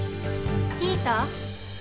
聞いた？